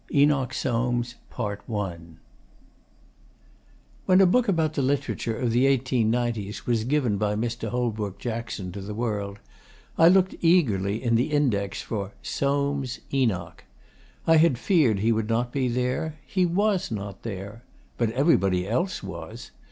ENOCH SOAMES When a book about the literature of the eighteen nineties was given by Mr. Holbrook Jackson to the world, I looked eagerly in the index for SOAMES, ENOCH. I had feared he would not be there. He was not there. But everybody else was.